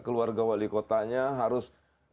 keluarga wali kotanya harus